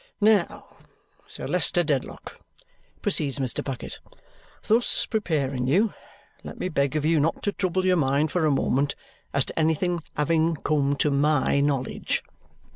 "Now, Sir Leicester Dedlock," proceeds Mr. Bucket, "thus preparing you, let me beg of you not to trouble your mind for a moment as to anything having come to MY knowledge.